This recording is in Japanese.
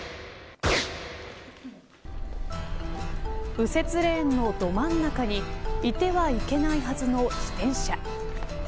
右折レーンのど真ん中にいてはいけないはずの自転車。